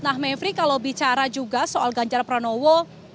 nah mevri kalau bicara juga soal ganjar pranowo